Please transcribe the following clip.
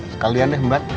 sekalian deh mbak